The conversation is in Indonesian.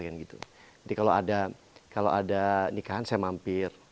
jadi kalau ada nikahan saya mampir